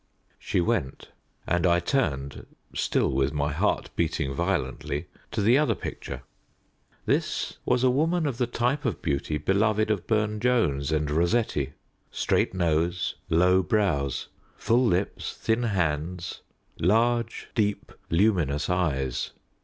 She went; and I turned, still with my heart beating violently, to the other picture. This was a woman of the type of beauty beloved of Burne Jones and Rossetti straight nose, low brows, full lips, thin hands, large deep luminous eyes.